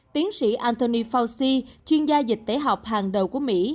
tiến sĩ anthony fauci chuyên gia dịch tế học hàng đầu của mỹ